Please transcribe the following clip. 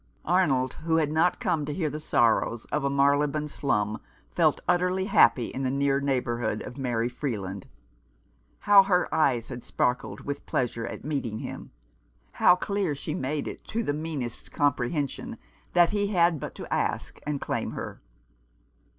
Arnold, who had not come to hear the sorrows 225 Q Rough Justice. of a Marylebone slum, felt utterly happy in the near neighbourhood of Mary Freeland. How her eyes had sparkled with pleasure at meeting him ! How clear she made it to the meanest compre hension that he had but to ask and claim her